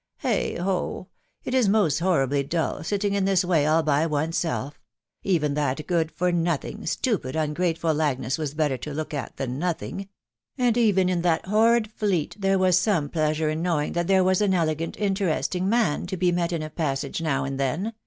" Heigh ho !..... It is most horribly dull, sitting In tins way all by one's self .... even that good far notbing, stupid, ungrateful Agnes was better to look at than nothing ;....„ and even in that horrid Fleet there was some pleasure m knowing that there was an elegant, interesting man, to he met in a passage now and then